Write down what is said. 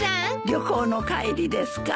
旅行の帰りですか？